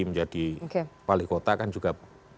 menjadi palikota kan juga